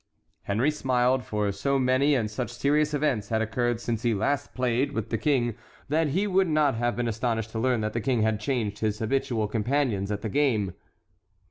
Henry smiled, for so many and such serious events had occurred since he last played with the King that he would not have been astonished to learn that the King had changed his habitual companions at the game.